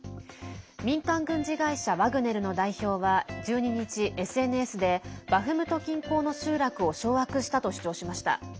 民間軍事会社ワグネルの代表は１２日、ＳＮＳでバフムト近郊の集落を掌握したと主張しました。